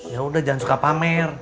ya udah jangan suka pamer